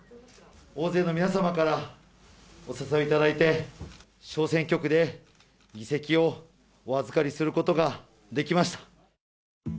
大勢の皆様からお支えいただいて、小選挙区で議席をお預かりすることができました。